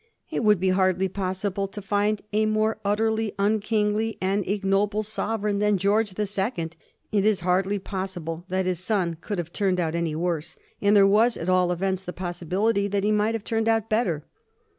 It would be hardly possible to find a more utterly unkingly and ignoble sovereign than George the Second; it is hardly possible that his son could have turned out any worse; and there was, at all events, the possibility that he might turn out better.